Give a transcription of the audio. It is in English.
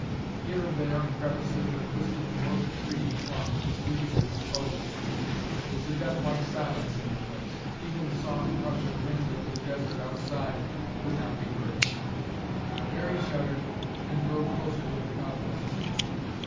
Here and there in crevices a twisted dwarf tree clung, its roots exposed. There was a death like silence in the place. Even the soft rush of wind over the desert outside could not be heard. Mary shuddered and rode closer to the cowboy.